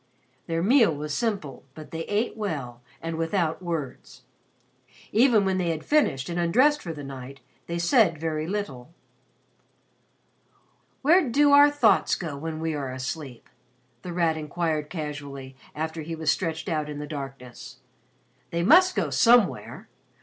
'" Their meal was simple but they ate well and without words. Even when they had finished and undressed for the night, they said very little. "Where do our thoughts go when we are asleep?" The Rat inquired casually after he was stretched out in the darkness. "They must go somewhere.